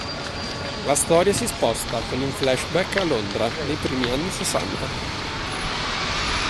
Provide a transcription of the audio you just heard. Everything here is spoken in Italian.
La storia si sposta con un flashback a Londra nei primi anni sessanta.